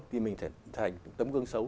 thì mình sẽ thành tấm gương xấu